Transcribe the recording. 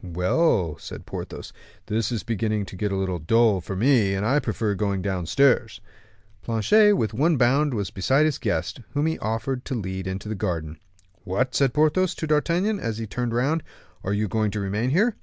"Well," said Porthos, "this is beginning to get a little dull for me, and I prefer going downstairs." Planchet with one bound was beside his guest, whom he offered to lead into the garden. "What!" said Porthos to D'Artagnan, as he turned round, "are you going to remain here?"